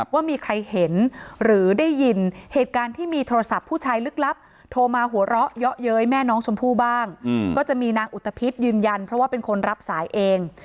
ว่ามีใครเห็นหรือได้ยินเหตุการณ์ที่มีโทรศัพท์ผู้ชายลึกลับโทรมาหัวเราะเยอะเย้ยแม่น้องชมพู่บ้างก็จะมีนางอุตภิษยืนยันเพราะว่าเป็นคนรับสายเอง